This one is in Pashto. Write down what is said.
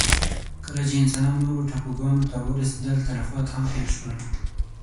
کله چې انسانان نورو ټاپوګانو ته ورسېدل، تلفات هم پېښ شول.